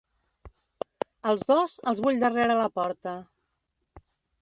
Els dos, els vull darrere la porta.